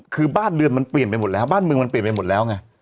คือบ้านเรือนมันเปลี่ยนไปหมดแล้วบ้านเมืองมันเปลี่ยนไปหมดแล้วไง